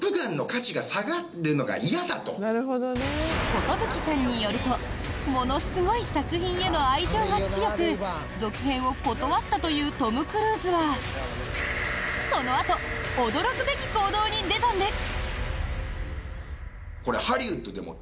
コトブキさんによるとものすごい作品への愛情が強く続編を断ったというトム・クルーズはそのあと驚くべき行動に出たんです！